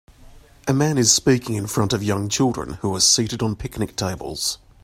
a man is speaking in front of young children who are seated on picnic tables.